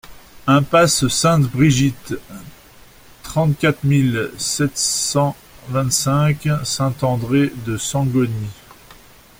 Impasse Sainte-Brigitte, trente-quatre mille sept cent vingt-cinq Saint-André-de-Sangonis